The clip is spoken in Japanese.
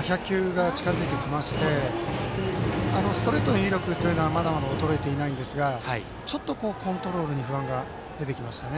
１００球が近づいてきてストレートの威力というのはまだまだ衰えていないんですがちょっとコントロールに不安が出てきましたね。